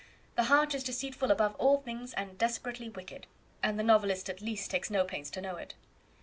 'The heart is deceitful above all things, and desperately wicked,' and the novelist at least takes no pains to know it."